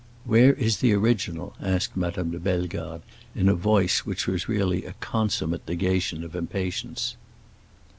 "Where is the original?" asked Madame de Bellegarde, in a voice which was really a consummate negation of impatience.